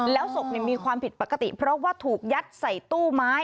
แล้วศพมีความผิดปกติเพราะว่าถูกยัดใส่ตู้ไม้